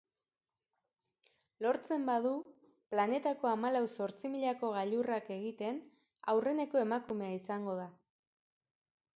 Lortzen badu planetako hamalau zortzimilako gailurrak egiten aurreneko emakumea izango da.